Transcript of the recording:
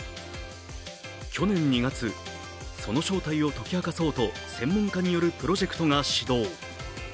去年２月、その正体を解き明かそうと、専門家によるプロジェクトが始動。